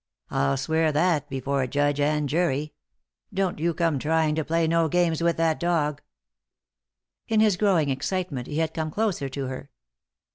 I'll swear that before a judge and jury. Don't you come trying to play no games with that dog." In his growing excitement he had come closer to her.